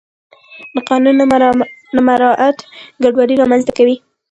د قانون نه مراعت ګډوډي رامنځته کوي